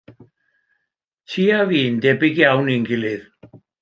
Ti a fi'n debyg iawn i'n gilydd.